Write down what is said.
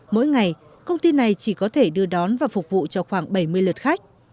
mỗi ngày công ty này chỉ có thể đưa đón và phục vụ cho khoảng bảy mươi lượt khách